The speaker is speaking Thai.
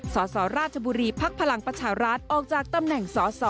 สอสอราชบุรีพักพลังประชาราชออกจากตำแหน่งสอ